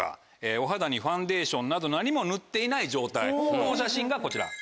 お肌にファンデーションなど何も塗っていない状態のお写真がこちら。